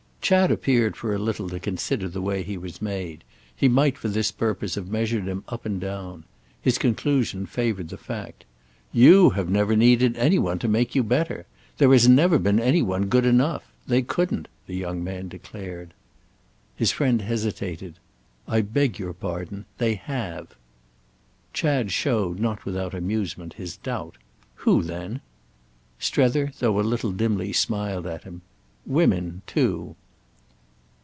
Chad appeared for a little to consider the way he was made; he might for this purpose have measured him up and down. His conclusion favoured the fact. "You have never needed any one to make you better. There has never been any one good enough. They couldn't," the young man declared. His friend hesitated. "I beg your pardon. They have." Chad showed, not without amusement, his doubt. "Who then?" Strether—though a little dimly—smiled at him. "Women—too."